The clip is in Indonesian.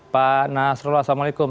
pak nasrullah assalamualaikum